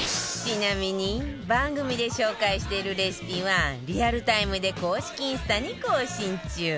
ちなみに番組で紹介しているレシピはリアルタイムで公式インスタに更新中